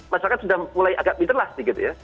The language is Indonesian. masyarakat sudah mulai agak biterlasti gitu ya